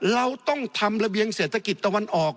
เราต้องทำระเบียงเศรษฐกิจตะวันออก